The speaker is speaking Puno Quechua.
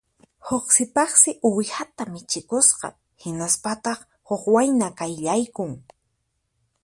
Huk sipassi uwihata michikusqa; hinaspataq huk wayna qayllaykun